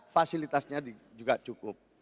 fasilitasnya juga cukup